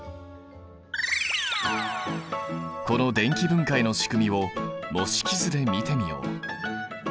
この電気分解のしくみを模式図で見てみよう。